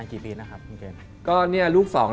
จริง